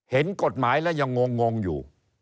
เห็นกฎหมายแล้วยังงงอยู่